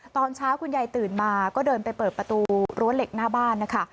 ตอนเช้าคุณยายตื่นมาก็เดินไปเปิดประตูรั้วเหล็กหน้าบ้านนะคะ